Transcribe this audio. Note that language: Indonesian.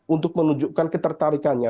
untuk menunjukkan ketertarikannya